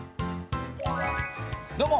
どうも！